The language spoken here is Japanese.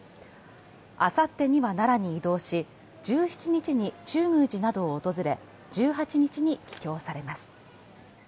あさってには奈良に移動し、１７日に中宮寺などを訪れ、１８日に帰京されます。